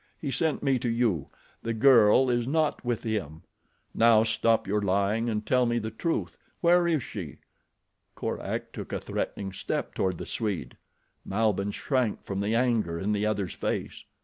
"He sent me to you. The girl is not with him. Now stop your lying and tell me the truth. Where is she?" Korak took a threatening step toward the Swede. Malbihn shrank from the anger in the other's face.